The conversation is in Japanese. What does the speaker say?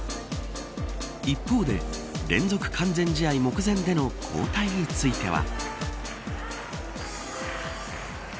一方で、連続完全試合目前での交代については。